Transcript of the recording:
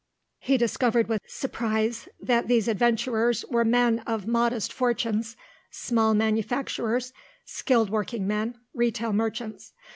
He discovered with surprise that these adventurers were men of modest fortunes, small manufacturers, skilled workingmen, retail merchants.